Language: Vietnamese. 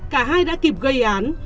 cả hai đã kịp gây án